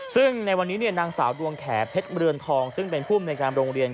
ซึ่งในวันนี้นางสาวดวงแขผ็ดเบือนทองซึ่งเป็นผู้บริการโรงเรียน